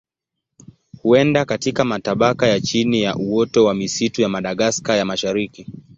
Huenda katika matabaka ya chini ya uoto wa misitu ya Madagaska ya Mashariki.